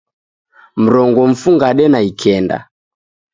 Mrongo mfungade na ikenda